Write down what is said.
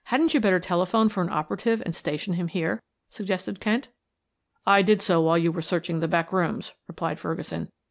"Hadn't you better telephone for an operative and station him here?" suggested Kent. "I did so while you were searching the back rooms," replied Ferguson.